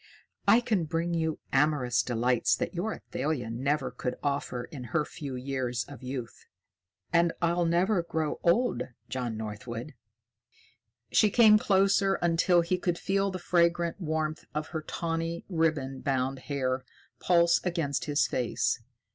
"I can bring you amorous delight that your Athalia never could offer in her few years of youth. And I'll never grow old, John Northwood." She came closer until he could feel the fragrant warmth of her tawny, ribbon bound hair pulse against his face.